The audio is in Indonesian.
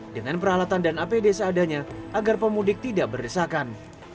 dengan peralatan dan apd seadanya agar pemudik tidak berdesakan